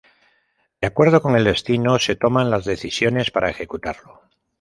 De acuerdo con el destino, se toman las decisiones para ejecutarlo.